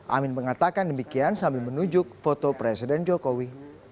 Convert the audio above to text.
amin mengatakan demikian sambil menunjuk foto presiden jokowi